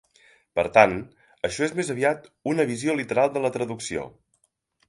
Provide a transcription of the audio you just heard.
Per tant, això és més aviat una visió literal de la traducció.